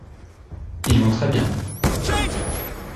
Ils vont très bien.